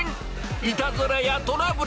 いたずらやトラブル。